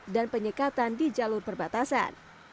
dan penyekatan di jalur perbatasan